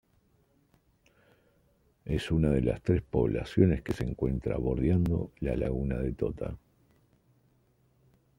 Es una de las tres poblaciones que se encuentra bordeando la Laguna de Tota.